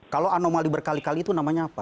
kalau anomali berkali kali itu namanya apa